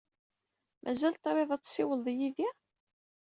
Mazal triḍ ad tessiwleḍ yid-i?